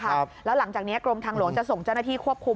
แล้วหลังจากนี้กรมทางหลวงจะส่งเจ้าหน้าที่ควบคุม